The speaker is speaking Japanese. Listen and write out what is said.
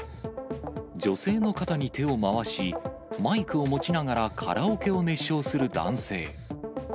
女性の肩に手を回し、マイクを持ちながらカラオケを熱唱する男性。